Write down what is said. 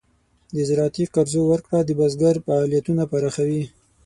د زراعتي قرضو ورکړه د بزګر فعالیتونه پراخوي.